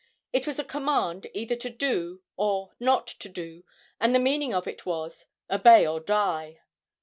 It was a command either to do or not to do, and the meaning of it was, "Obey or die."